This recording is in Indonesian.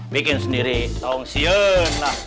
bikin sendiri tolong si enak